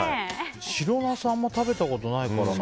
白ナスあんまり食べたことないからな。